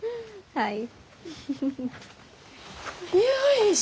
はい。